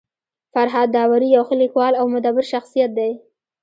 فرهاد داوري يو ښه لیکوال او مدبر شخصيت دی.